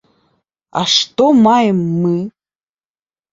А што маем мы?